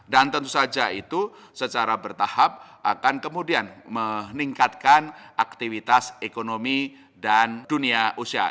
dan tentu saja itu secara bertahap akan kemudian meningkatkan aktivitas ekonomi dan dunia usia